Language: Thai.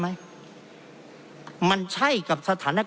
เพราะเรามี๕ชั่วโมงครับท่านนึง